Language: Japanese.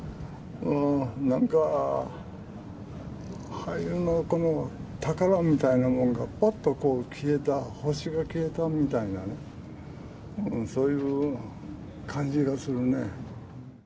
なんか、俳優の宝みたいなものがぽっと消えた、星が消えたみたいなね、そういう感じがするね。